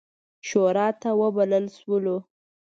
شوراته وبلل شولو.